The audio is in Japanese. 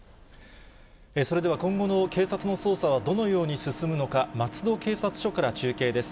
それでは今後の警察の捜査はどのように進むのか、松戸警察署から中継です。